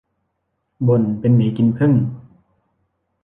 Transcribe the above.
บ่นเป็นหมีกินผึ้ง